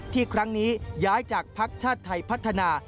ครั้งนี้ย้ายจากภักดิ์ชาติไทยพัฒนา